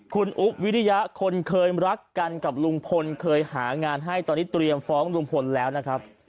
คุณอุ๊บวิริยะคนเคยรักกันกับลุงพลเคยหางานให้ตอนนี้เตรียมฟ้องลุงพลแล้วนะครับ